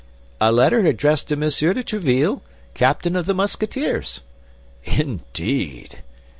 "A letter addressed to Monsieur de Tréville, captain of the Musketeers." "Indeed!"